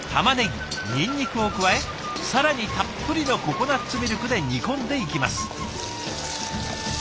にんにくを加え更にたっぷりのココナツミルクで煮込んでいきます。